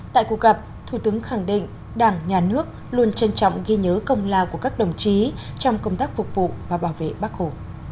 tại cuộc gặp thủ tướng khẳng định đảng nhà nước luôn trân trọng ghi nhớ công lao của các đồng chí trong công tác phục vụ và bảo vệ bác hồ